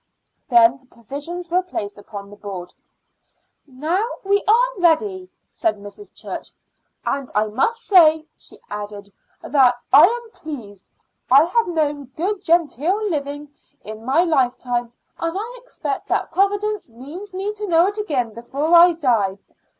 Then the provisions were placed upon the board. "Now we are ready," said Mrs. Church; "and I must say," she added, "that I am pleased. I have known good genteel living in my lifetime, and I expect that Providence means me to know it again before I die.